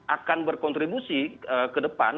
akan berkontribusi ke depan